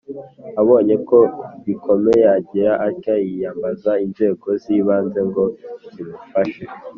Abonye ko bikomeye agira atya yiyambaza inzego zibanze ngo zimufashe